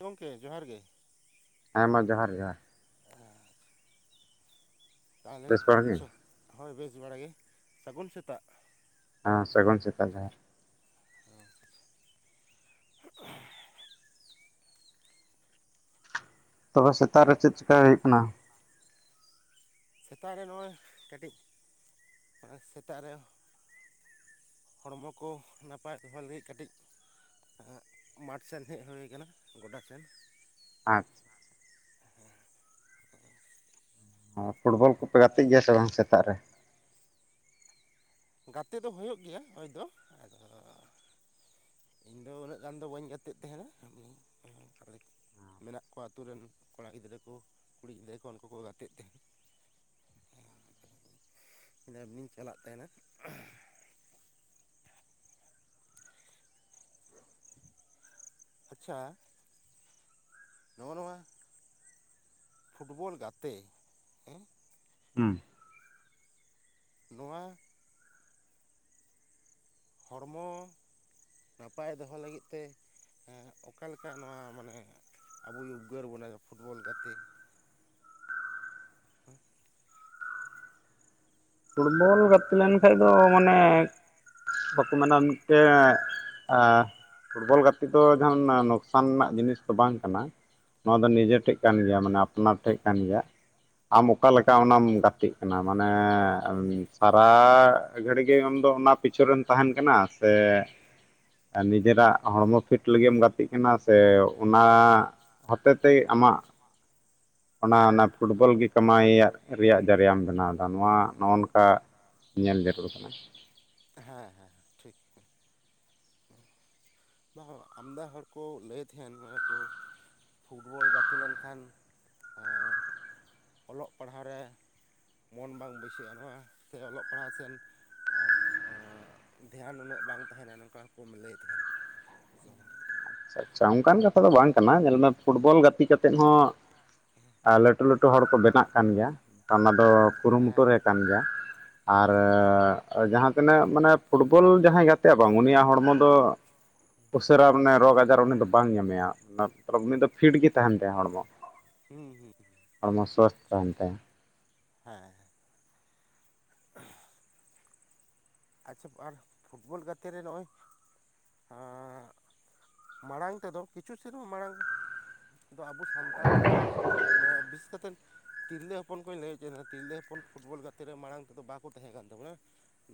ᱜᱚᱢᱠᱮ ᱡᱚᱦᱟᱨ ᱜᱮ ᱦᱮᱸ ᱢᱟ ᱡᱚᱦᱟᱨ ᱡᱚᱦᱟᱨ ᱟᱨ ᱛᱟᱦᱚᱞᱮ ᱦᱳᱭ ᱵᱮᱥ ᱵᱟᱲᱟ ᱜᱮ ᱥᱟᱹᱜᱩᱱ ᱥᱮᱛᱟᱜ ᱦᱮᱸ ᱥᱟᱹᱜᱩᱱ ᱥᱮᱛᱟᱜ ᱡᱚᱦᱟᱨ ᱦᱮᱸ ᱛᱚᱵᱮ ᱥᱮᱛᱟᱜ ᱨᱮ ᱪᱮᱫ ᱪᱤᱠᱟ ᱦᱩᱭᱩᱜ ᱠᱟᱱᱟ? ᱥᱮᱛᱟᱜ ᱨᱮ ᱱᱚᱜᱼᱚᱭ ᱠᱟᱹᱴᱤᱡ ᱥᱮᱛᱟᱜ ᱨᱮ ᱦᱚᱲᱢᱚ ᱠᱚ ᱱᱟᱯᱟᱭ ᱫᱚᱦᱚᱭ ᱞᱟᱹᱜᱤᱫ ᱠᱟᱹᱴᱤᱡ ᱢᱟᱴᱷ ᱥᱮᱱ ᱦᱮᱡ ᱦᱩᱭ ᱟᱠᱟᱱᱟ ᱜᱚᱰᱟ ᱥᱮᱱ ᱟᱪᱪᱷᱟ ᱦᱚᱸᱜᱚ ᱦᱚᱸᱜᱚ ᱦᱚ ᱯᱷᱩᱴᱵᱚᱞ ᱠᱚᱯᱮ ᱜᱟᱛᱮᱜ ᱜᱮᱭᱟ ᱥᱮ ᱵᱟᱝ ᱥᱮᱛᱟᱜ ᱨᱮ? ᱜᱟᱛᱮ ᱫᱚ ᱦᱩᱭᱩᱜ ᱜᱮᱭᱟ ᱦᱳᱭ ᱫᱚ ᱟᱫᱚ ᱤᱧᱫᱚ ᱩᱱᱟᱹᱜ ᱜᱟᱱ ᱫᱚ ᱵᱟᱹᱧ ᱜᱟᱛᱮᱜ ᱛᱟᱦᱮᱱᱟ ᱢᱮᱱᱟᱜ ᱠᱚᱣᱟ ᱟᱛᱳ ᱨᱮᱱ ᱠᱚᱲᱟ ᱜᱤᱫᱽᱨᱟᱹ ᱠᱚ ᱠᱩᱲᱤ ᱜᱤᱫᱽᱨᱟᱹ ᱠᱚ ᱩᱱᱠᱩ ᱠᱚ ᱜᱟᱛᱮᱜ ᱛᱟᱦᱮᱱ ᱤᱧ ᱪᱟᱞᱟᱜ ᱛᱟᱦᱮᱱᱟ ᱟᱪᱪᱷᱟ ᱱᱚᱜᱼᱚ ᱱᱚᱣᱟ ᱯᱷᱩᱴᱵᱚᱞ ᱜᱟᱛᱮ ᱦᱮᱸ ᱦᱩᱸ ᱱᱚᱣᱟ ᱦᱚᱲᱢᱚ ᱱᱟᱯᱟᱭ ᱫᱚᱦᱚ ᱞᱟᱹᱜᱤᱫ ᱛᱮ ᱚᱠᱟᱞᱮᱠᱟ ᱱᱚᱣᱟ ᱢᱟᱱᱮ ᱟᱵᱚᱭ ᱩᱵᱽᱜᱟᱹᱨ ᱵᱚᱱᱟᱭ ᱯᱷᱩᱴᱵᱚᱞ ᱜᱟᱛᱮᱜ ᱦᱮᱸ ᱯᱷᱩᱴᱵᱚᱞ ᱜᱟᱛᱮ ᱞᱮᱱ ᱠᱷᱟᱡ ᱫᱚ ᱢᱟᱱᱮ ᱵᱟᱠᱚ ᱢᱮᱱᱟ ᱢᱤᱫ ᱴᱮᱱ ᱯᱷᱩᱴᱵᱚᱞ ᱜᱟᱛᱮᱜ ᱫᱚ ᱡᱟᱦᱟᱸᱱ ᱞᱚᱠᱥᱟᱱ ᱨᱮᱱᱟᱜ ᱡᱤᱱᱤᱥ ᱫᱚ ᱵᱟᱝ ᱠᱟᱱᱟ ᱱᱚᱣᱟ ᱫᱚ ᱱᱤᱡᱮ ᱴᱷᱮᱡ ᱠᱟᱱ ᱜᱮᱭᱟ ᱢᱟᱱᱮ ᱟᱯᱱᱟᱨ ᱴᱷᱮᱡ ᱠᱟᱱ ᱜᱮᱭᱟ ᱟᱢ ᱚᱠᱟ ᱞᱮᱠᱟ ᱚᱱᱟᱢ ᱜᱟᱛᱮᱜ ᱠᱟᱱᱟ ᱢᱟᱱᱮ ᱥᱟᱨᱟ ᱜᱷᱟᱹᱲᱤᱡ ᱜᱮ ᱟᱢᱫᱚ ᱚᱱᱟ ᱯᱤᱪᱷᱚᱱ ᱨᱮᱢ ᱛᱟᱦᱮᱸᱱ ᱠᱟᱱᱟ ᱥᱮ ᱱᱤᱡᱮᱨᱟᱜ ᱦᱚᱲᱢᱚ ᱯᱷᱤᱴ ᱞᱟᱹᱜᱤᱫ ᱮᱢ ᱜᱟᱛᱮᱜ ᱠᱟᱱᱟ ᱥᱮ ᱚᱱᱟ ᱦᱚᱛᱮ ᱛᱮ ᱟᱢᱟᱜ ᱚᱱᱟ ᱚᱱᱟ ᱯᱷᱩᱴᱵᱚᱞ ᱜᱮ ᱠᱟᱢᱟᱣ ᱨᱮᱭᱟᱜ ᱡᱟᱹᱨᱤᱭᱟᱢ ᱵᱮᱱᱟᱣ ᱮᱫᱟ ᱱᱚᱣᱟ ᱱᱚᱜᱼᱚ ᱱᱚᱝᱠᱟ ᱧᱮᱞ ᱡᱟᱹᱨᱩᱲ ᱠᱟᱱᱟ ᱦᱮᱸ ᱦᱮᱸ ᱴᱷᱤᱠ ᱦᱮᱸ ᱵᱟᱝ ᱵᱟᱝ ᱟᱢᱫᱟ ᱦᱚᱲ ᱠᱚ ᱞᱟᱹᱭ ᱛᱟᱦᱮᱸᱱ ᱚᱱᱟ ᱠᱚ ᱯᱷᱩᱴᱵᱚᱞ ᱜᱟᱛᱮ ᱞᱮᱱ ᱠᱷᱟᱱ ᱚᱞᱚᱜ ᱯᱟᱲᱦᱟᱣ ᱨᱮ ᱢᱚᱱ ᱵᱟᱝ ᱵᱟᱹᱭᱥᱟᱹᱜᱼᱟ ᱱᱚᱣᱟ ᱥᱮ ᱚᱞᱚᱜ ᱯᱟᱲᱦᱟᱣ ᱥᱮᱱ ᱫᱷᱮᱭᱟᱱ ᱩᱱᱟᱹᱜ ᱵᱟᱝ ᱛᱟᱦᱮᱸᱱᱟ ᱱᱚᱝᱠᱟ ᱦᱚᱸ ᱠᱚ ᱞᱟᱹᱭ ᱛᱟᱦᱮᱸᱱ [unintelligible] ᱦᱚᱲ ᱠᱚ ᱟᱪᱪᱷᱟ ᱟᱪᱪᱷᱟ ᱚᱱᱠᱟᱱ ᱠᱟᱛᱷᱟ ᱫᱚ ᱵᱟᱝ ᱠᱟᱱᱟ ᱧᱮᱞ ᱢᱮ ᱯᱷᱩᱴᱵᱚᱞ ᱜᱟᱛᱮ ᱠᱟᱛᱮᱫ ᱦᱚᱸ ᱞᱟᱹᱴᱩ ᱞᱟᱹᱴᱩ ᱞᱟᱹᱴᱩ ᱦᱚᱲ ᱠᱚ ᱵᱮᱱᱟᱜ ᱠᱟᱱ ᱜᱮᱭᱟ ᱚᱱᱟ ᱫᱚ ᱠᱩᱨᱩ ᱢᱩᱴᱩ ᱨᱮ ᱠᱟᱱ ᱜᱮᱭᱟ ᱟᱨ ᱡᱟᱦᱟᱸ ᱛᱤᱱᱟᱹᱜ ᱢᱟᱱᱮ ᱯᱷᱩᱴᱵᱚᱞ ᱡᱟᱦᱟᱸᱭ ᱜᱟᱛᱮᱜᱼᱟ ᱵᱟᱝ ᱩᱱᱤᱭᱟᱜ ᱦᱚᱲᱢᱚ ᱫᱚ ᱩᱥᱟᱹᱨᱟ ᱢᱟᱱᱮ ᱨᱳᱜᱽ ᱟᱡᱟᱨ ᱩᱱᱤ ᱫᱚ ᱵᱟᱝ ᱧᱟᱢᱮᱭᱟ [unintelligible] ᱩᱱᱤ ᱫᱚ ᱯᱷᱤᱴ ᱜᱮ ᱛᱟᱦᱮᱸᱱ ᱛᱟᱭᱟ ᱦᱚᱲᱢᱚ ᱦᱩᱸ ᱦᱩᱸ ᱦᱩᱸ ᱦᱚᱲᱢᱚ ᱥᱥᱚᱥᱛᱷ ᱛᱟᱦᱮᱸᱱ ᱛᱟᱭᱟ ᱦᱮᱸ [unintelligible] ᱟᱪᱪᱷᱟ ᱟᱨ ᱯᱷᱩᱴᱵᱚᱞ ᱜᱟᱛᱮ ᱨᱮ ᱱᱚᱜᱼᱚᱭ [unintelligible] ᱢᱟᱲᱟᱝ ᱛᱮᱫᱚ ᱠᱤᱪᱷᱩ ᱥᱮᱨᱢᱟ ᱢᱟᱲᱟᱝ ᱫᱚ ᱟᱵᱚ ᱥᱟᱱᱛᱟᱲ ᱜᱤᱫᱽᱨᱟᱹ ᱢᱟᱱᱮ ᱵᱤᱥᱤ ᱠᱟᱛᱮᱫ ᱛᱤᱨᱞᱟᱹ ᱦᱚᱯᱚᱱ ᱠᱚᱧ ᱞᱟᱹᱭ ᱦᱚᱪᱚᱭᱮᱱᱟ ᱛᱤᱨᱞᱟᱹ ᱦᱚᱯᱚᱱ ᱯᱷᱩᱴᱵᱚᱞ ᱜᱟᱛᱮ ᱨᱮ ᱢᱟᱲᱟᱝ ᱛᱮᱫᱚ ᱵᱟᱠᱚ ᱛᱟᱦᱮᱸ ᱠᱟᱱ ᱛᱟᱵᱚᱱᱟ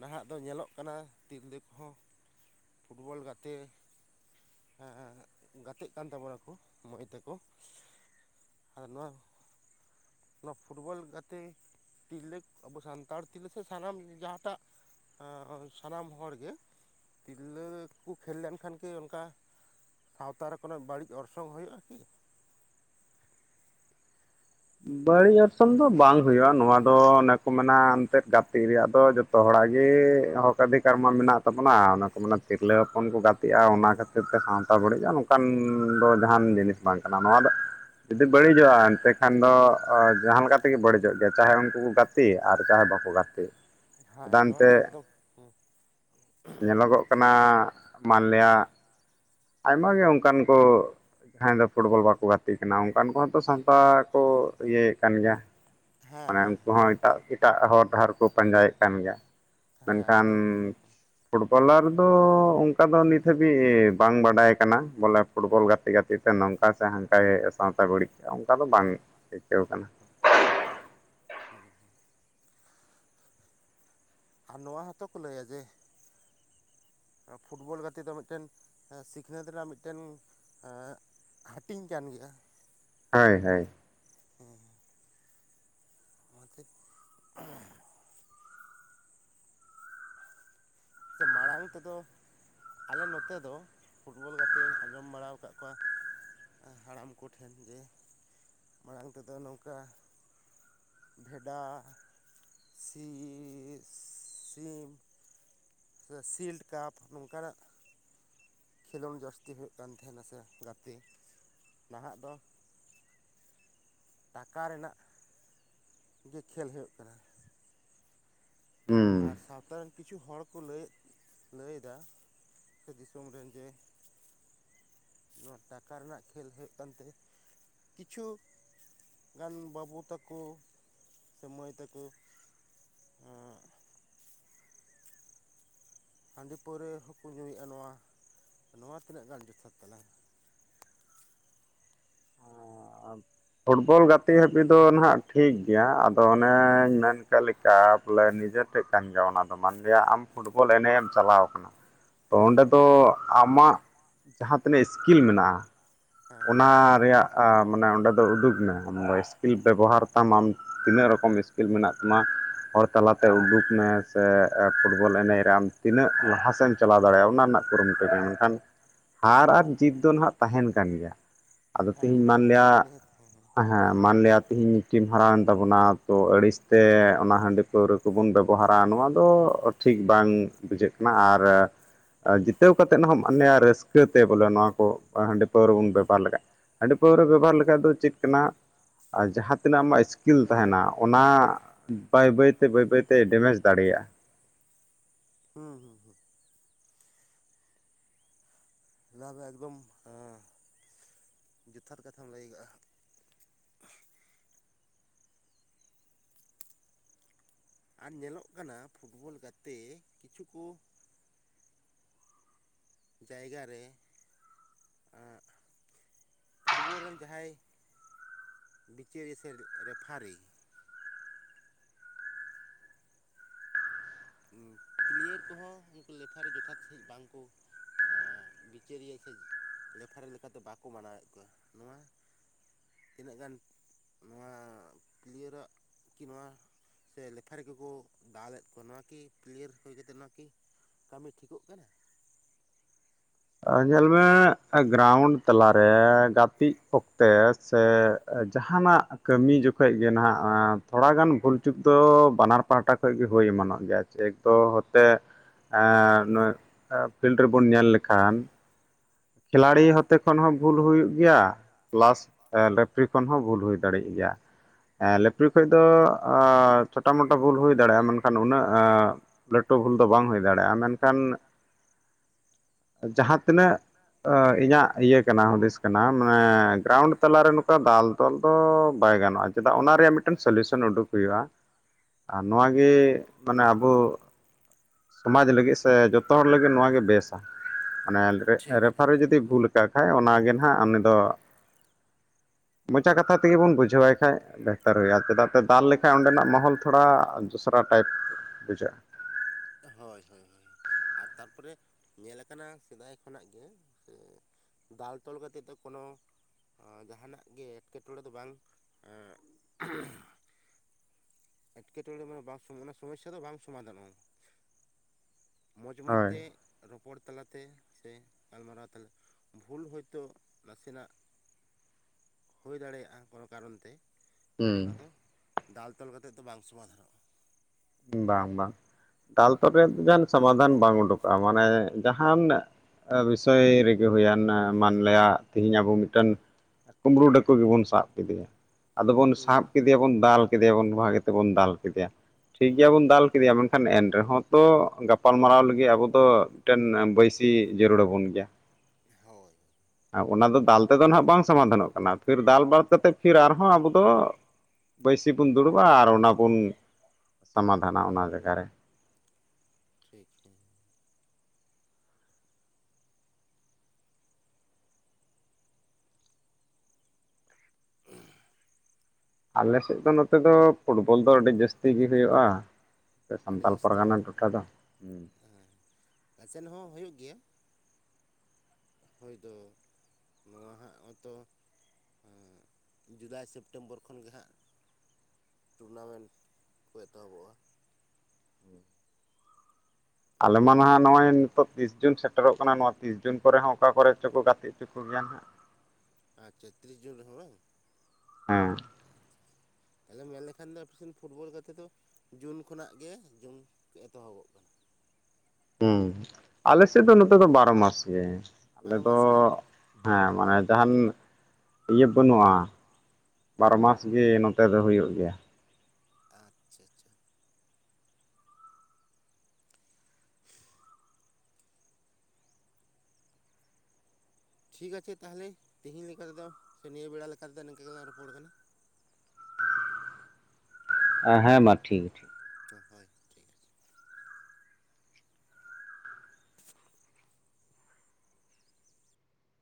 ᱱᱟᱦᱟᱜ ᱫᱚ ᱧᱮᱞᱚᱜ ᱠᱟᱱᱟ ᱛᱤᱨᱞᱟᱹ ᱠᱚᱦᱚᱸ ᱯᱷᱩᱴᱵᱚᱞ ᱜᱟᱛᱮ ᱦᱮᱸ ᱜᱟᱛᱮᱜ ᱠᱟᱱ ᱛᱟᱵᱚ ᱱᱟᱠᱚ ᱢᱟᱹᱭ ᱛᱮᱠᱚ [unintelligible] ᱱᱚᱣᱟ ᱯᱷᱩᱴᱵᱚᱞ ᱜᱟᱛᱮ ᱛᱤᱨᱞᱟᱹ ᱟᱵᱚ ᱥᱟᱱᱛᱟᱲ ᱛᱤᱨᱞᱟᱹ ᱥᱮ ᱥᱟᱱᱟᱢ ᱡᱟᱦᱟᱸ ᱴᱟᱜ [unintelligible] ᱥᱟᱱᱟᱢ ᱦᱚᱲ ᱜᱮ ᱛᱤᱨᱞᱟᱹ ᱠᱚ ᱠᱷᱮᱞ ᱞᱮᱱᱠᱷᱟᱱ ᱜᱮ ᱚᱱᱠᱟ ᱥᱟᱶᱛᱟ ᱨᱮ ᱠᱳᱱᱚ ᱵᱟᱹᱲᱤᱡ ᱚᱨᱥᱚᱝ ᱦᱩᱭᱩᱜᱼᱟ ᱠᱤ ᱵᱟᱹᱲᱤᱡ ᱚᱨᱥᱚᱝ ᱫᱚ ᱵᱟᱝ ᱦᱩᱭᱩᱜᱼᱟ ᱱᱚᱣᱟ ᱫᱚ ᱚᱱᱮ ᱠᱚ ᱢᱮᱱᱟ ᱮᱱᱛᱮᱫ ᱜᱟᱛᱮᱜ ᱨᱮᱭᱟᱜ ᱫᱚ ᱡᱚᱛᱚ ᱡᱚᱛᱚ ᱦᱚᱲᱟᱜ ᱜᱮ ᱦᱚᱠ ᱟᱫᱷᱤᱠᱟᱨ ᱢᱟ ᱢᱮᱱᱟᱜ ᱛᱟᱵᱚᱱᱟ ᱚᱱᱟ ᱠᱚ ᱢᱟᱱᱮ ᱛᱤᱨᱞᱟᱹ ᱦᱚᱯᱚᱱ ᱠᱚ ᱜᱟᱛᱮ ᱛᱤᱜᱼᱟ ᱚᱱᱟ ᱠᱷᱟᱹᱛᱤᱨ ᱛᱮ ᱥᱟᱶᱛᱟ ᱵᱟᱹᱲᱤᱡᱼᱟ ᱱᱚᱝᱠᱟᱱ ᱫᱚ ᱡᱟᱦᱟᱸᱱ ᱡᱤᱱᱤᱥ ᱵᱟᱝ ᱠᱟᱱᱟ ᱱᱚᱣᱟ ᱫᱚ ᱡᱩᱫᱤ ᱵᱟᱹᱲᱤᱡᱚᱜᱼᱟ ᱮᱱᱛᱮ ᱠᱷᱟᱱ ᱫᱚ ᱡᱟᱦᱟᱸ ᱞᱮᱠᱟ ᱛᱮᱜᱮ ᱵᱟᱹᱲᱤᱡᱚᱜ ᱜᱮᱭᱟ ᱪᱟᱦᱮ ᱩᱱᱠᱩ ᱠᱚ ᱜᱟᱛᱮᱜ ᱟᱨ ᱪᱟᱦᱮ ᱵᱟᱠᱚ ᱜᱟᱛᱮᱜ ᱦᱮᱸ ᱱᱚᱣᱟ ᱫᱚ ᱮᱠᱫᱚᱢ ᱦᱮᱸ [unintelligible] ᱧᱮᱞ ᱞᱚᱜᱚᱜ ᱠᱟᱱᱟ ᱢᱟᱱᱞᱤᱭᱟ ᱟᱭᱢᱟ ᱜᱮ ᱚᱱᱠᱟᱱ ᱠᱚ ᱡᱟᱦᱟᱸᱭ ᱫᱚ ᱯᱷᱩᱴᱵᱚᱞ ᱵᱟᱠᱚ ᱜᱟᱛᱮᱜ ᱠᱟᱱᱟ ᱚᱱᱠᱟᱱ ᱠᱚᱦᱚᱸ ᱛᱚ ᱥᱟᱶᱛᱟ ᱠᱚ ᱤᱭᱟᱹᱭᱮᱫ ᱠᱟᱱ ᱜᱮᱭᱟ ᱢᱟᱱᱮ ᱩᱱᱠᱩ ᱦᱚᱸ ᱮᱴᱟᱜ ᱮᱴᱟᱜ ᱦᱚᱨ ᱰᱟᱦᱟᱨ ᱠᱚ ᱯᱟᱸᱡᱟᱭᱮᱫ ᱠᱟᱱ ᱜᱮᱭᱟ ᱢᱮᱱᱠᱷᱟᱱ ᱯᱷᱩᱴᱵᱚᱞᱟᱨ ᱫᱚ ᱚᱱᱠᱟ ᱫᱚ ᱱᱤᱛ ᱦᱟᱹᱵᱤᱡ ᱵᱟᱝ ᱵᱟᱰᱟᱭ ᱠᱟᱱᱟ ᱵᱚᱞᱮ ᱯᱷᱩᱴᱵᱚᱞ ᱜᱟᱛᱮ ᱜᱟᱛᱮ ᱛᱮ ᱱᱚᱝᱠᱟ ᱥᱮ ᱦᱟᱱᱠᱟᱭ ᱥᱟᱶᱛᱟ ᱵᱟᱹᱲᱤᱡ ᱠᱟᱜᱼᱟ ᱚᱱᱠᱟ ᱫᱚ ᱵᱟᱝ ᱟᱹᱭᱠᱟᱹᱣ ᱠᱟᱱᱟ ᱚ ᱦᱚ ᱟᱨ ᱱᱚᱣᱟ ᱦᱚᱸᱛᱚ ᱠᱚ ᱞᱟᱹᱭᱟ ᱡᱮ ᱯᱷᱩᱴᱵᱚᱞ ᱜᱟᱛᱮ ᱫᱚ ᱢᱤᱫ ᱴᱮᱱ ᱥᱤᱠᱷᱱᱟᱹᱛ ᱨᱮᱱᱟᱜ ᱢᱤᱫ ᱴᱮᱱ [unintelligible] ᱦᱟᱹᱴᱤᱧ ᱠᱟᱱ ᱜᱮᱭᱟ᱾ ᱦᱚᱭ -ᱦᱚᱭ [unintelligible] ᱚᱱᱟ ᱛᱮᱫ [unintelligible] ᱢᱟᱲᱟᱝ ᱛᱮᱫᱚ ᱟᱞᱮ ᱱᱚᱛᱮ ᱫᱚ ᱯᱷᱩᱴᱵᱚᱞ ᱜᱟᱛᱮ ᱤᱧ ᱟᱸᱡᱚᱢ ᱵᱟᱲᱟ ᱟᱠᱟᱫ ᱠᱚᱣᱟ᱾ ᱦᱟᱲᱟᱢ ᱠᱚᱴᱷᱮᱱ ᱡᱮ ᱢᱟᱲᱟᱝ ᱛᱮᱫᱚ ᱱᱚᱝᱠᱟ ᱵᱷᱮᱰᱟ [unintelligible] ᱥᱤᱢ ᱥᱮ ᱥᱤᱞᱴ ᱠᱟᱯ ᱱᱚᱝᱠᱟᱱᱟᱜ᱾ ᱠᱷᱮᱞᱳᱰ ᱡᱟᱹᱥᱛᱤ ᱦᱩᱭᱩᱜ ᱠᱟᱱ ᱛᱟᱦᱮᱱᱟ ᱥᱮ ᱜᱟᱛᱮ ᱱᱟᱦᱟᱜ ᱫᱚ ᱴᱟᱠᱟ ᱨᱮᱱᱟᱜ ᱜᱮ ᱠᱷᱮᱞ ᱦᱩᱭᱩᱜ ᱠᱟᱱᱟ᱾ ᱟᱨ ᱥᱟᱶᱛᱟ [unintelligible] ᱠᱤᱪᱷᱩ ᱦᱚᱲ ᱠᱚ ᱞᱟᱹᱭ ᱞᱟᱹᱭ ᱫᱟ ᱥᱮ ᱫᱤᱥᱚᱢ ᱨᱮᱱ ᱡᱮ, ᱱᱚᱣᱟ ᱴᱟᱠᱟ ᱨᱮᱱᱟᱜ ᱠᱷᱮᱞ ᱦᱩᱭᱩᱜ ᱠᱟᱱᱛᱮ ᱠᱤᱪᱷᱩ ᱜᱟᱱ ᱵᱟᱹᱵᱩ ᱛᱮᱠᱚ ᱥᱮ ᱢᱟᱹᱭ ᱛᱮᱠᱚ [unintelligible] ᱦᱟᱺᱰᱤ ᱯᱟᱹᱣᱨᱟᱹ ᱦᱚᱸᱠᱚ ᱧᱩᱭ ᱮᱫᱼᱟ ᱱᱚᱣᱟ ᱛᱤᱱᱟᱹᱜ ᱜᱟᱱ ᱡᱚᱛᱷᱟᱛ ᱛᱟᱞᱟᱝ ᱯᱷᱩᱴᱵᱚᱞ ᱜᱟᱛᱮᱜ ᱦᱟᱹᱵᱤᱡ ᱫᱚ ᱱᱟᱦᱟᱸᱜ ᱴᱷᱤᱠ ᱜᱮᱭᱟ ᱟᱫᱚ ᱚᱱᱮᱧ ᱢᱮᱱ ᱠᱮᱜ ᱞᱮᱠᱟ ᱠᱟ ᱵᱚᱞᱮ ᱱᱤᱡᱮ ᱴᱷᱮᱡ ᱠᱟᱱ ᱜᱮᱭᱟ ᱚᱱᱟ ᱫᱚ ᱢᱟᱱᱞᱤᱭᱟ ᱟᱢ ᱯᱷᱩᱴᱵᱚᱞ ᱮᱱᱮᱡ ᱮᱢ ᱪᱟᱞᱟᱣ ᱠᱟᱱᱟ᱾ ᱛᱚ ᱚᱸᱰᱮ ᱫᱚ ᱟᱢᱟᱜ ᱡᱟᱦᱟᱸ ᱛᱤᱱᱟᱹᱜ ᱥᱠᱤᱞ ᱢᱮᱱᱟᱜᱼᱟ᱾ ᱚᱱᱟ ᱨᱮᱭᱟᱜ ᱢᱟᱱᱮ ᱚᱸᱰᱮ ᱫᱚ ᱩᱫᱩᱜᱽ ᱢᱮ ᱟᱢ ᱥᱠᱤᱞ ᱵᱮᱵᱚᱦᱟᱨ ᱛᱟᱢ ᱟᱢ ᱛᱤᱱᱟᱹᱜ ᱨᱚᱠᱚᱢ ᱥᱠᱤᱞ ᱢᱮᱱᱟᱜ ᱛᱟᱢᱟ ᱦᱚᱲ ᱛᱟᱞᱟᱛᱮ ᱩᱰᱩᱠ ᱢᱮ ᱥᱮ ᱯᱷᱩᱴᱵᱚᱞ ᱮᱱᱮᱡ ᱨᱮ ᱟᱢ ᱛᱤᱱᱟᱹᱜ ᱞᱟᱦᱟ ᱥᱮᱫ ᱮᱢ ᱪᱟᱞᱟᱣ ᱫᱟᱲᱮᱭᱟᱜᱼᱟ᱾ ᱚᱱᱟ ᱨᱮᱱᱟᱜ ᱠᱩᱨᱩᱢᱩᱴᱩᱭ ᱢᱮ, ᱢᱮᱱᱠᱷᱟᱱ ᱦᱟᱨ ᱟᱨ ᱡᱤᱛ ᱫᱚ ᱦᱟᱸᱜ ᱛᱟᱦᱮᱱ ᱠᱟᱱ ᱜᱮᱭᱟ᱾ ᱟᱫᱚ ᱛᱤᱦᱤᱧ ᱢᱟᱱᱞᱤᱭᱟ ᱦᱮᱸ ᱢᱟᱱ ᱞᱤᱭᱟ ᱛᱤᱦᱤᱧ ᱴᱤᱢ ᱦᱟᱨᱟᱣ ᱮᱱ ᱛᱟᱵᱚᱱᱟ ᱛᱚ ᱟᱹᱲᱤᱥ ᱛᱮ ᱚᱱᱟ ᱦᱟᱺᱰᱤ ᱯᱟᱹᱣᱨᱟᱹ ᱠᱚ ᱵᱚᱱ ᱵᱮᱵᱚᱦᱟᱨᱟ ᱱᱚᱣᱟ ᱫᱚ ᱴᱷᱤᱠ ᱵᱟᱝ ᱵᱩᱡᱷᱟᱹᱜ ᱠᱟᱱᱟ ᱟᱨ ᱡᱤᱛᱟᱹᱣ ᱠᱟᱛᱮ ᱮᱫ ᱦᱚᱸ ᱢᱟᱱᱮ ᱨᱟᱹᱥᱠᱟᱹ ᱛᱮ ᱵᱚᱞᱮ ᱱᱚᱣᱟ ᱠᱚ ᱦᱟᱺᱰᱤ ᱯᱟᱹᱣᱨᱟᱹ ᱵᱚᱱ ᱵᱮᱵᱚᱦᱟᱨ ᱞᱮᱠᱷᱟᱡ ᱦᱟᱺᱰᱤ ᱯᱟᱹᱨᱣᱟᱹ ᱵᱮᱵᱚᱦᱟᱨ ᱞᱮᱠᱷᱟᱡ ᱫᱚ ᱪᱮᱫ ᱠᱟᱱᱟ ᱟᱨ ᱡᱟᱦᱟᱸ ᱛᱤᱱᱟᱹᱜ ᱟᱢᱟᱜ ᱥᱠᱤᱞ ᱛᱟᱦᱮᱱᱟ ᱚᱱᱟ ᱵᱟᱹᱭ ᱵᱟᱹᱭᱛᱮ ᱵᱟᱹᱭ ᱵᱟᱹᱭᱛᱮ ᱰᱮᱢᱮᱡᱽ ᱫᱟᱲᱮᱭᱟᱜᱼᱟ ᱦᱩᱸ ᱦᱩᱸ ᱦᱩᱸ ᱱᱚᱣᱟ‌ ᱫᱚ ᱮᱠᱫᱚᱢ ᱡᱚᱛᱷᱟᱛ ᱠᱟᱛᱷᱟ ᱞᱟᱹᱭ ᱠᱟᱜᱟ ᱟᱨ ᱧᱮᱞᱚᱜ ᱠᱟᱱᱟ ᱯᱷᱩᱴᱵᱚᱞ ᱜᱟᱛᱮ ᱠᱤᱪᱷᱩ ᱠᱚ ᱡᱟᱭᱜᱟ ᱨᱮ ᱮᱸᱜ ᱯᱷᱩᱴᱵᱚᱞ ᱨᱮᱱ ᱡᱟᱦᱟᱸᱭ ᱵᱤᱪᱟᱹᱨᱤ ᱥᱮ ᱨᱮᱯᱷᱟᱨᱤ ᱯᱞᱤᱭᱟᱹᱨ ᱠᱚ ᱦᱚᱸ ᱩᱱᱠᱩ ᱞᱮᱯᱷᱟᱨᱤ ᱡᱚᱛᱷᱟᱛ ᱥᱟᱺᱦᱤᱡ ᱵᱟᱝᱠᱚ ᱵᱤᱪᱟᱹᱨᱤᱭᱟᱹ ᱥᱮ ᱞᱮᱯᱷᱟᱨᱤ ᱞᱮᱠᱟ‌ ᱛᱮ ᱵᱟᱠᱚ ᱢᱟᱱᱟᱣ ᱮᱫ ᱠᱚᱣᱟ, ᱱᱚᱣᱟ ᱛᱤᱱᱟᱹᱜ ᱜᱟᱱ ᱱᱚᱣᱟ ᱯᱞᱤᱭᱟᱹᱨᱟᱜ ᱠᱤ ᱱᱚᱣᱟ ᱥᱮ ᱞᱮᱯᱷᱟᱨᱤ ᱠᱚ ᱠᱚ ᱫᱟᱞ ᱮᱫ ᱠᱚᱣᱟ, ᱱᱚᱣᱟ ᱠᱤ ᱯᱞᱤᱭᱟᱹᱨ ᱦᱩᱭ ᱠᱟᱛᱮᱫ ᱱᱚᱣᱟ ᱠᱤ ᱠᱟᱹᱢᱤ ᱴᱷᱤᱠᱚᱜ ᱠᱟᱱᱟ? ᱧᱮᱞ ᱢᱮ ᱜᱨᱟᱣᱩᱱᱰ ᱛᱟᱞᱟ ᱨᱮ ᱜᱟᱛᱮᱜ ᱚᱠᱛᱮ ᱥᱮ᱾ ᱡᱟᱦᱟᱱᱟᱜ ᱠᱟᱹᱢᱤ ᱡᱚᱠᱷᱚᱡ ᱜᱮ ᱱᱟᱦᱟᱜ ᱛᱷᱚᱲᱟ ᱜᱟᱱ ᱵᱷᱩᱞ ᱪᱩᱠ ᱫᱚ ᱵᱟᱱᱟᱨ ᱯᱟᱦᱴᱟ ᱠᱷᱚᱡ ᱜᱮ ᱦᱩᱭ ᱮᱢᱟᱱᱚᱜ ᱜᱮᱭᱟ᱾ ᱮᱠᱫᱚ ᱦᱚᱛᱮ ᱮᱸ ᱯᱷᱤᱞᱰ ᱨᱮᱵᱚᱱ ᱧᱮᱞ ᱞᱮᱠᱷᱟᱱ ᱠᱷᱤᱞᱟᱲᱤ ᱦᱚᱛᱮ ᱠᱷᱚᱱ ᱦᱚᱸ ᱵᱷᱩᱞ ᱦᱩᱭᱩᱜ ᱜᱮᱭᱟ ᱯᱞᱟᱥ ᱞᱮᱯᱷᱟᱨᱤ ᱠᱷᱚᱱ ᱦᱚᱸ ᱵᱷᱩᱞ ᱦᱩᱭ ᱫᱟᱲᱮᱭᱟᱜ ᱜᱮᱭᱟ᱾ ᱞᱮᱯᱷᱟᱨᱤ ᱠᱷᱚᱱ ᱫᱚ ᱪᱷᱳᱴᱟ ᱢᱳᱴᱟ ᱵᱷᱩᱞ ᱦᱩᱭ ᱫᱟᱲᱮᱭᱟᱜᱼᱟ, ᱢᱮᱱᱠᱷᱟᱱ ᱩᱱᱟᱹᱜ ᱞᱟᱹᱴᱩ ᱵᱷᱩᱞ ᱫᱚ ᱵᱟᱝ ᱦᱩᱭ ᱫᱟᱲᱮᱭᱟᱜᱼᱟ᱾ ᱢᱮᱱᱠᱷᱟᱱ ᱡᱟᱦᱟᱸ ᱛᱤᱱᱟᱹᱜ ᱤᱧᱟᱹᱜ ᱤᱭᱟᱹ ᱠᱟᱱᱟ ᱦᱩᱫᱤᱥ ᱠᱟᱱᱟ ᱢᱟᱱᱮ ᱜᱨᱟᱣᱩᱱᱰ ᱛᱟᱞᱟᱨᱮ ᱱᱚᱝᱠᱟ ᱫᱟᱞ ᱛᱚᱞ ᱫᱚ ᱵᱟᱭ ᱜᱟᱱᱚᱜᱼᱟ ᱪᱮᱫᱟᱜ ᱚᱱᱟ ᱨᱮᱭᱟᱜ ᱢᱤᱫᱴᱮᱱ ᱥᱚᱞᱩᱣᱥᱚᱱ ᱩᱰᱩᱠ ᱦᱩᱭᱩᱜᱼᱟ ᱟᱨ ᱱᱚᱣᱟᱜᱮ ᱢᱟᱱᱮ ᱟᱵᱚ ᱥᱚᱢᱟᱡᱽ ᱞᱟᱹᱜᱤᱫ ᱥᱮ ᱡᱚᱛᱚ ᱦᱚᱲ ᱞᱟᱹᱜᱤᱫ ᱱᱚᱣᱟ ᱜᱮ ᱵᱮᱥᱟ ᱢᱟᱱᱮ ᱨᱮᱯᱷᱟᱨᱤ ᱡᱩᱫᱤ ᱵᱷᱩᱞ ᱟᱠᱟᱜ ᱠᱷᱟᱡ ᱚᱱᱟᱜᱮ ᱱᱟᱦᱟᱜ ᱩᱱᱤ ᱫᱚ ᱢᱚᱪᱟ ᱠᱟᱛᱷᱟ ᱛᱮᱜᱮ ᱵᱚᱱ ᱵᱩᱡᱷᱟᱹᱣᱟᱭ ᱠᱷᱟᱡ ᱵᱮᱦᱛᱟᱨ ᱦᱩᱭᱩᱜᱼᱟ ᱪᱮᱫᱟᱜ ᱥᱮ ᱫᱟᱞ ᱞᱮᱠᱷᱟᱱ ᱚᱸᱰᱮᱱᱟᱜ ᱢᱚᱦᱚᱞ ᱛᱷᱚᱲᱟ ᱫᱚᱥᱨᱟ ᱴᱟᱭᱤᱯ ᱵᱩᱡᱷᱟᱹᱜᱼᱟ ᱦᱳᱭ ᱦᱳᱭ ᱦᱳᱭ ᱟᱨ ᱛᱟᱨᱯᱚᱨᱮ ᱧᱮᱞ ᱟᱠᱟᱱᱟ ᱥᱮᱫᱟᱭ ᱠᱷᱚᱱᱟᱜ ᱜᱮ ᱪᱮ ᱫᱟᱞ ᱛᱚᱞ ᱠᱟᱛᱮᱜ ᱫᱚ ᱠᱳᱱᱳ ᱡᱟᱦᱟᱱᱟᱜ ᱜᱮ ᱮᱴᱠᱮᱴᱚᱬᱮ ᱫᱚ ᱵᱟᱝ ᱮᱴᱠᱮᱴᱚᱬᱮ ᱢᱮ ᱵᱟᱝ ᱚᱱᱟ ᱥᱚᱢᱚᱥᱥᱟ ᱫᱚ ᱵᱟᱝ ᱥᱚᱢᱟᱫᱷᱟᱱᱚᱜᱼᱟ ᱢᱚᱡᱽ ᱢᱚᱡᱽ ᱛᱮ ᱨᱚᱯᱚᱲ ᱛᱟᱞᱟᱛᱮ ᱥᱮ ᱜᱟᱞᱢᱟᱨᱟᱣ ᱛᱟᱞᱟ ᱵᱷᱩᱞ ᱦᱳᱭᱛᱚ ᱱᱟᱥᱮᱱᱟᱜ ᱦᱩᱭ ᱫᱟᱲᱮᱭᱟᱜᱼᱟ ᱠᱳᱱᱳ ᱠᱟᱨᱚᱱ ᱛᱮ ᱚᱱᱟ ᱫᱚ ᱫᱟᱞ ᱛᱚᱞ ᱠᱟᱛᱮᱫ ᱫᱚ ᱵᱟᱝ ᱥᱚᱢᱟᱫᱷᱟᱱᱚᱜᱼᱟ ᱵᱟᱝ ᱵᱟᱝ ᱫᱟᱞ ᱛᱚᱞ ᱨᱮᱭᱟᱜ ᱡᱟᱦᱟᱱ ᱥᱚᱢᱟᱫᱷᱟᱱ ᱵᱟᱝ ᱩᱰᱩᱠᱚᱜᱼᱟ ᱢᱟᱱᱮ ᱡᱟᱦᱟᱱ ᱵᱤᱥᱚᱭ ᱨᱮᱜᱮ ᱦᱩᱭᱮᱱ ᱢᱟᱱᱞᱮᱭᱟ ᱛᱮᱦᱤᱧ ᱟᱵᱚ ᱢᱤᱫᱴᱮᱱ ᱠᱩᱢᱲᱩ ᱰᱟᱹᱠᱩ ᱜᱮᱵᱚᱱ ᱥᱟᱵ ᱠᱮᱫᱮᱭᱟ ᱟᱫᱚ ᱵᱚᱱ ᱥᱟᱵ ᱠᱮᱫᱮᱭᱟᱵᱚᱱ ᱫᱟᱞ ᱠᱮᱫᱮᱭᱟᱵᱚᱱ ᱵᱷᱟᱜᱮ ᱛᱮᱵᱚᱱ ᱫᱟᱞ ᱠᱮᱫᱮᱭᱟ ᱴᱷᱤᱠ ᱜᱮᱭᱟ ᱵᱚᱱ ᱫᱟᱞ ᱠᱮᱫᱮᱭᱟ ᱢᱮᱱᱠᱷᱟᱱ ᱮᱱ ᱨᱮᱦᱚᱸ ᱛᱚ ᱜᱟᱯᱟᱞᱢᱟᱨᱟᱣ ᱞᱟᱹᱜᱤᱫ ᱟᱵᱚ ᱫᱚ ᱢᱤᱫᱴᱮᱱ ᱵᱟᱹᱭᱥᱤ ᱡᱟᱹᱨᱩᱲ ᱟᱵᱚᱱ ᱜᱮᱭᱟ ᱦᱳᱭ ᱟᱵᱚᱱᱟᱜ ᱫᱚ ᱫᱟᱞ ᱛᱮᱫᱚ ᱱᱟᱜ ᱵᱟᱝ ᱥᱚᱢᱟᱫᱷᱟᱱᱚᱜ ᱠᱟᱱᱟ ᱯᱷᱤᱨ ᱫᱟᱞ ᱵᱟᱫ ᱠᱟᱛᱮᱫ ᱯᱷᱤᱨ ᱟᱨᱦᱚᱸ ᱟᱵᱚ ᱫᱚ ᱵᱟᱹᱭᱥᱤ ᱵᱚᱱ ᱫᱩᱲᱩᱵᱟ ᱟᱨ ᱚᱱᱟ ᱵᱚᱱ ᱥᱚᱢᱟᱫᱷᱟᱱᱟ ᱚᱱᱟ ᱡᱟᱭᱜᱟ ᱨᱮ ᱴᱷᱤᱠ ᱜᱮ [inaudible] ᱟᱞᱮ ᱥᱮᱫ ᱫᱚ ᱱᱚᱛᱮ ᱫᱚ ᱯᱷᱩᱴᱵᱚᱞ ᱫᱚ ᱟᱹᱰᱤ ᱡᱟᱹᱥᱛᱤ ᱜᱮ ᱦᱩᱭᱩᱜᱼᱟ ᱟᱯᱮ ᱥᱟᱱᱛᱟᱲ ᱯᱟᱨᱜᱟᱱᱟ ᱴᱚᱴᱷᱟ ᱫᱚ ᱦᱮᱸ ᱟᱞᱮ ᱥᱮᱱ ᱦᱚᱸ ᱦᱩᱭᱩᱜ ᱜᱮᱭᱟ ᱦᱳᱭᱛᱚ ᱱᱚᱣᱟ ᱦᱟᱸᱜ ᱦᱚᱛᱚ ᱡᱩᱞᱟᱭ ᱥᱮᱯᱴᱮᱢᱵᱚᱨ ᱠᱷᱚᱱ ᱜᱮ ᱦᱟᱸᱜ ᱴᱩᱨᱱᱟᱢᱮᱱᱴ ᱠᱚ ᱮᱛᱚᱦᱚᱵᱚᱜᱼᱟ ᱟᱞᱮᱢᱟ ᱱᱟᱦᱟᱜ ᱱᱚᱜᱼᱚᱭ ᱱᱤᱛᱚᱜ ᱛᱤᱨᱤᱥ ᱡᱩᱱ ᱥᱮᱴᱮᱨ ᱥᱮᱴᱮᱨᱚᱜ ᱠᱟᱱᱟ ᱱᱚᱣᱟ ᱛᱤᱨᱤᱥ ᱡᱩᱱ ᱠᱚᱨᱮ ᱦᱚᱸ ᱚᱠᱟ ᱠᱚᱨᱮ ᱪᱚᱠᱚ ᱜᱟᱛᱮ ᱦᱚᱪᱚ ᱠᱚ ᱜᱮᱭᱟ ᱱᱟᱜ ᱟᱪᱪᱷᱟ ᱛᱤᱨᱤᱥ ᱡᱩᱱ ᱨᱮᱦᱚᱸ ᱵᱟᱝ ᱦᱮᱸ ᱛᱟᱦᱚᱞᱮ ᱢᱮᱱ ᱞᱮᱠᱷᱟᱱ ᱫᱚ ᱟᱯᱮ ᱥᱮᱱ ᱯᱷᱩᱴᱵᱚᱞ ᱜᱟᱛᱮ ᱫᱚ ᱡᱩᱱ ᱠᱷᱚᱱᱟᱜ ᱜᱮ ᱡᱩᱱ ᱮᱛᱚᱦᱚᱵᱚᱜ ᱠᱟᱱᱟ ᱦᱩᱸ ᱟᱞᱮ ᱥᱮᱫ ᱫᱚ ᱱᱚᱛᱮ ᱫᱚ ᱵᱟᱨᱚ ᱢᱟᱥ ᱜᱮ ᱟᱞᱮ ᱫᱚ ᱦᱮᱸ ᱢᱟᱱᱮ ᱡᱟᱸᱦᱟᱱ ᱤᱭᱟᱹ ᱵᱟᱹᱱᱩᱜᱼᱟ ᱵᱟᱨᱚ ᱢᱟᱥ ᱜᱮ ᱱᱚᱛᱮ ᱫᱚ ᱦᱩᱭᱩᱜ ᱜᱮᱭᱟ ᱟᱪᱪᱷᱟ ᱟᱪᱪᱷᱟ ᱴᱷᱤᱠ ᱟᱪᱷᱮ ᱛᱟᱦᱚᱞᱮ ᱛᱮᱦᱮᱧ ᱞᱮᱠᱟᱛᱮᱫᱚ ᱥᱮ ᱱᱤᱭᱟᱹ ᱵᱮᱲᱟ ᱞᱮᱠᱟᱛᱮᱫᱚ ᱱᱤᱝᱠᱟᱹ ᱜᱮᱞᱟᱝ ᱨᱚᱯᱚᱲ ᱠᱟᱱᱟ ᱦᱮᱸ ᱦᱮᱸ ᱢᱟ ᱴᱷᱤᱠ ᱴᱷᱤᱠ ᱦᱳᱭ ᱴᱷᱤᱠ [inaudible]